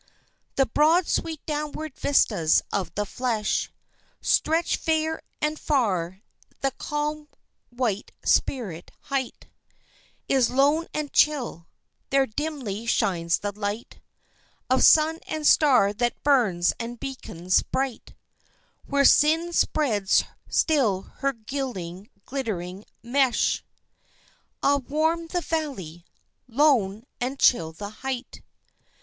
The broad, sweet downward vistas of the flesh Stretch fair and far; the calm white spirit height Is lone and chill; there dimly shines the light Of sun and star that burns and beacons bright Where Sin spreads still her guiling, glitt'ring mesh. Ah, warm the valley! Lone and chill the height!